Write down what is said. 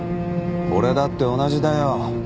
俺だって同じだよ。